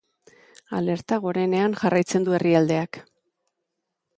Alerta gorenean jarraitzen du herrialdeak.